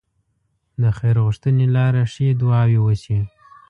د خير غوښتنې لاره ښې دعاوې وشي.